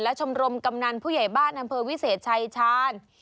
ชมรมกำนันผู้ใหญ่บ้านอำเภอวิเศษชายชาญ